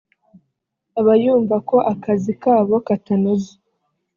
aba yumva ko akazi kabo katanoze